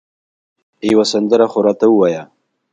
یوه سندره خو راته ووایه